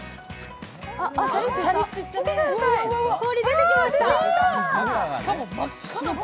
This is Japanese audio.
氷、出てきました。